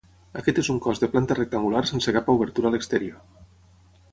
Aquest és un cos de planta rectangular sense cap obertura a l'exterior.